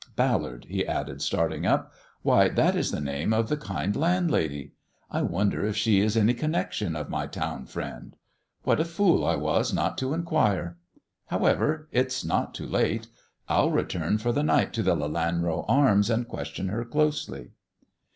Ballard," he added, starting up ;" why, that is the name of the kind landlady. I wonder if she is any connection of my town friend ] What a fool I was not to inquire ! However, it's not too late. I'll return for the night to the ' Lelanro Arms,' and question her closely."